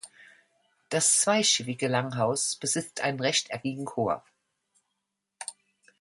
Das zweischiffige Langhaus besitzt einen rechteckigen Chor.